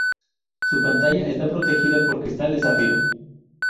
Su pantalla está protegida por cristal de zafiro.